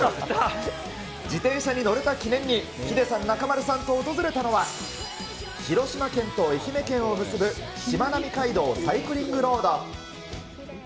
自転車に乗れた記念に、ヒデさん、中丸さんと訪れたのは、広島県と愛媛県を結ぶしまなみ海道サイクリングロード。